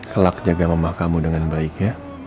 kelak jaga mama kamu dengan baik ya